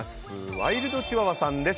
ワイルドチワワさんです。